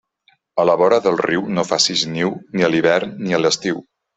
A la vora del riu no faces niu, ni a l'hivern ni a l'estiu.